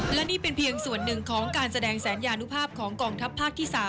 และนี่เป็นเพียงส่วนหนึ่งของการแสดงสัญญานุภาพของกองทัพภาคที่๓